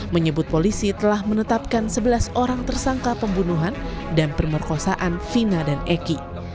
menyebut polisi telah menetapkan sebelas orang tersangka pembunuhan dan permerkosaan vina dan eki